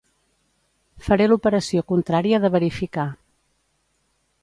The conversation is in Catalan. Faré l'operació contrària de verificar.